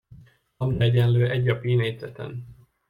Lambda egyenlő egy a pi négyzeten.